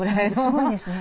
すごいですね。